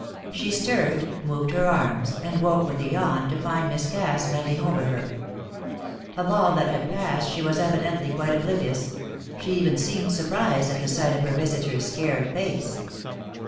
She stirred, moved her arms, and woke with a yawn to find Miss Cass bending over her. Of all that had passed she was evidently quite oblivious; she even seemed surprised at the sight of her visitor's scared face.